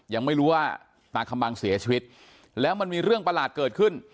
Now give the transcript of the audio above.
ยังไม่รู้ว่าตาคำบังเสียชีวิตแล้วมันมีเรื่องประหลาดเกิดขึ้น